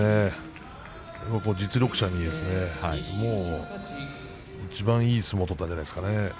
実力者にですねいちばんいい相撲を取ったんじゃないですかね。